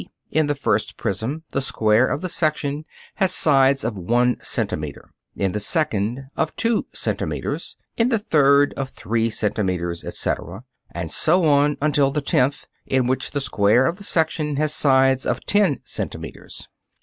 _, in the first prism, the square of the section has sides of one centimeter, in the second of two centimeters, in the third of three centimeters, etc., and so on until the tenth, in which the square of the section has sides of ten centimeters.